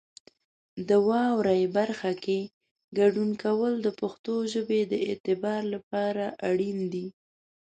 د واورئ برخه کې ګډون کول د پښتو ژبې د اعتبار لپاره اړین دي.